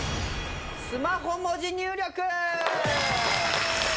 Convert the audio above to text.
スマホ文字入力！